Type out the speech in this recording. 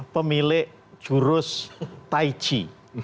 pemilik jurus tai chi